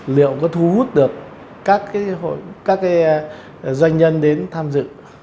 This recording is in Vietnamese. liệu có thu hút được các doanh nhân đến tham dự